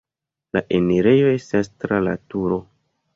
La enirejo estas tra la turo.